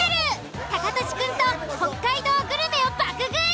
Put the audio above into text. タカトシくんと北海道グルメを爆食い。